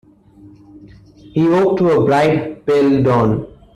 He woke to a bright, pale dawn.